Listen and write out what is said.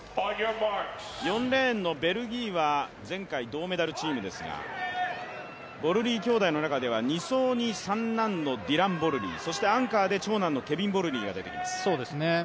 ４レーンのベルギーは前回銅メダルチームですが、ボルリー兄弟の中に２走に三男のディラン・ボルリー、そしてアンカーで長男のケビン・ボルリーが出てきます。